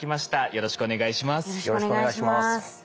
よろしくお願いします。